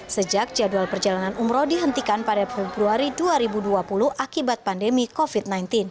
sejak jadwal perjalanan umroh dihentikan pada februari dua ribu dua puluh akibat pandemi covid sembilan belas